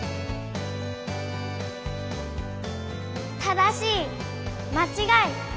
「正しい」「まちがい」。